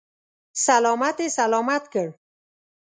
سلامت یې سلامت کړ.